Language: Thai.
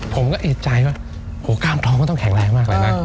ผมก็เอกใจว่ากล้ามท้องก็ต้องแข็งแรงมากเลยนะ